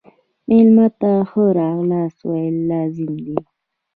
مېلمه ته ښه راغلاست ویل لازم دي.